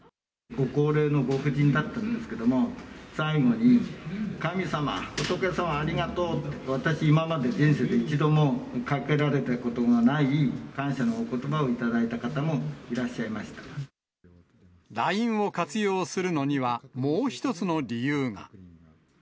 ご高齢のご婦人だったんですけど、最後に、神様仏様ありがとうと、私今まで、人生で一度もかけられたことがない感謝のおことばを頂いた方もいＬＩＮＥを活用するのには、もう一つの理由が。